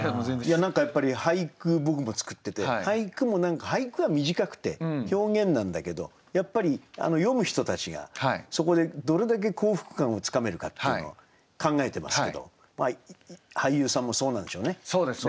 何かやっぱり俳句僕も作ってて俳句は短くて表現なんだけどやっぱり読む人たちがそこでどれだけ幸福感をつかめるかっていうのは考えてますけど俳優さんもそうなんでしょうね。